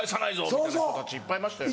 みたいな人たちいっぱいいましたよね。